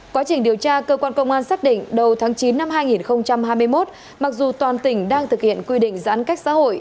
quá trình điều tra cơ quan công an xác định đầu tháng chín năm hai nghìn hai mươi một mặc dù toàn tỉnh đang thực hiện quy định giãn cách xã hội